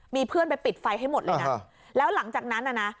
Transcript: มีเพื่อนไปปิดไฟให้หมดเลยนะแล้วหลังจากนั้นน่ะนะ